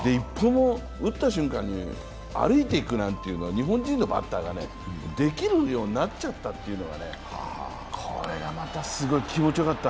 打った瞬間に歩いて行くなんていうのは、日本人のバッターができるようになっちゃったっていうのがねこれもまた気持ちよかった。